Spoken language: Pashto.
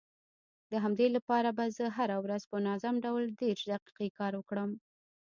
د همدې لپاره به زه هره ورځ په منظم ډول دېرش دقيقې کار وکړم.